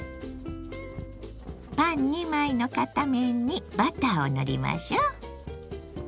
パン２枚の片面にバターを塗りましょう。